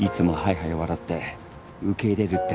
はい笑って受け入れるって？